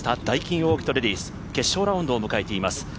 ダイキンオーキッドレディス決勝ラウンドを迎えています。